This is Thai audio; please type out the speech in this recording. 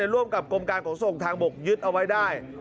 ร่วมกับกรมการขนส่งทางบกยึดเอาไว้ได้